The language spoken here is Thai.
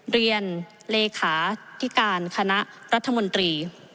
เรียนเลขาธิการคณะรัฐมนตรี